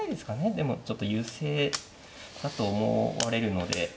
でもちょっと優勢だと思われるので。